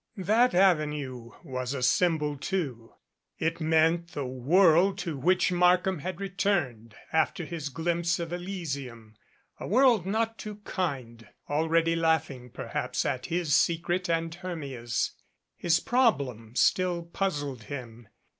That Avenue was a symbol, too. It meant the world to which Markham had returned after his glimpse of Elysium, a world not too kind, already laughing perhaps at his secret and Her mia's. 252 A LADY IN THE DUSK His problem still puzzled him.